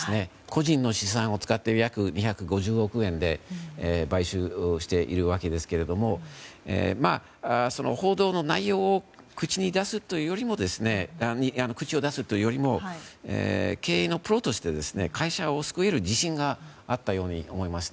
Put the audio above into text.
個人の資産を使って約２５０億円で買収しているわけですがその報道の内容を口に出すというよりも経営のプロとして会社を救える自信があったように思います。